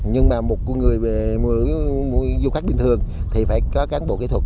nhưng mà một người về du khách bình thường thì phải có cán bộ kỹ thuật